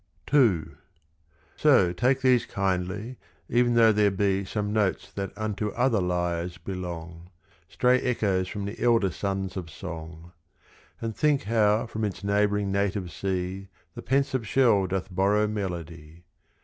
II So take these kindly, even though there be Some notes that unto other lyres belong, Stray echoes from the elder sons of song; And think how from its neighbouring native sea The pensive shell doth borrow melody.